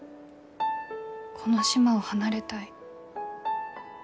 この島を離れたい。